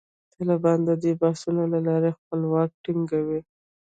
طالبان د دې بحثونو له لارې خپل واک ټینګوي.